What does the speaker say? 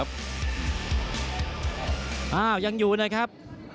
อ้าวยังอยู่นะครับ